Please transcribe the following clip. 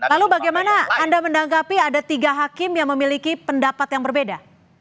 lalu bagaimana anda menanggapi ada tiga hakim yang memiliki pendapat yang berbeda